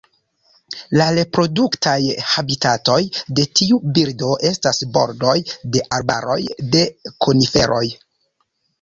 La reproduktaj habitatoj de tiu birdo estas bordoj de arbaroj de koniferoj.